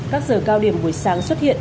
các giờ cao điểm buổi sáng xuất hiện